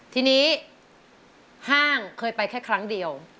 ทีนี้ห้างเคยไปแค่ครั้งเดียว